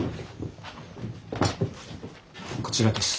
こちらです。